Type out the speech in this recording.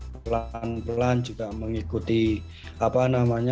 pelan pelan juga mengikuti apa namanya